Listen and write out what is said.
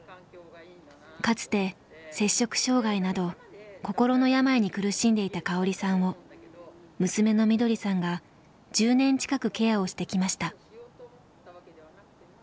かつて摂食障害など心の病に苦しんでいた香織さんを娘のみどりさんが１０年近くケアをしてきました。